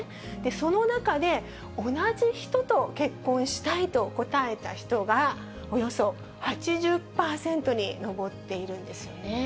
その中で、同じ人と結婚したいと答えた人がおよそ８０％に上っているんですよね。